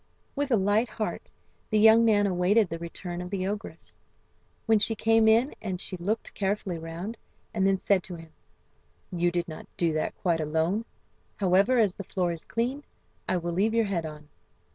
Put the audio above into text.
With a light heart the young man awaited the return of the ogress. When she came in she looked carefully round, and then said to him: "You did not do that quite alone. However, as the floor is clean I will leave your head on."